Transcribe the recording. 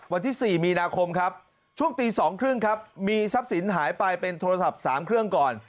วันที่๔มีนาคมครับช่วงตี๒๓๐ครับมีทรัพย์สินหายไปเป็นโทรศัพท์๓เครื่องก่อน